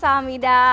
selamat malam bu zelda